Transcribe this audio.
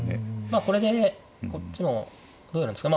まあこれでこっちもどうやるんですか。